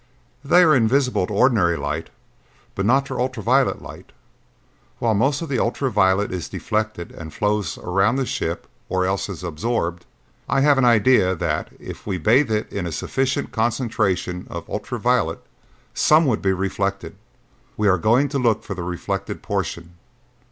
"They are invisible to ordinary light but not to ultra violet light. While most of the ultra violet is deflected and flows around the ship or else is absorbed, I have an idea that, if we bathe it in a sufficient concentration of ultra violet, some would be reflected. We are going to look for the reflected portion."